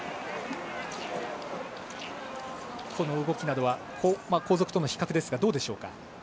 動きなどは後続との比較でどうでしょうか？